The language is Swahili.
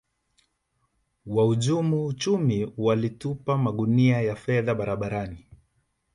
wahujumu uchumi walitupa magunia ya fedha barabarani